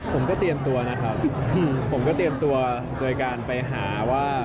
ผมก็เตรียมตัวนะครับผมก็เตรียมตัวโดยการไปหาว่า